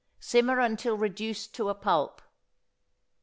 Simmer until reduced to a pulp.